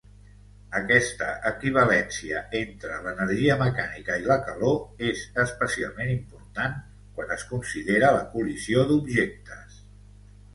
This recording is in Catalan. Aquesta equivalència entre l'energia mecànica i la calor és especialment important quan es considera la col·lisió d'objectes.